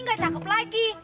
gak cakep lagi